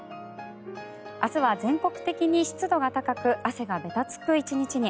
明日は全国的に湿度が高く汗がべたつく１日に。